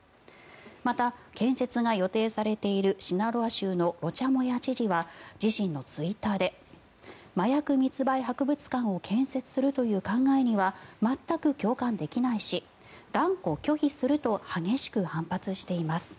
また、建設が予定されているシナロア州のロチャ・モヤ知事は自身のツイッターで麻薬密売博物館を建設するという考えには全く共感できないし断固拒否すると激しく反発しています。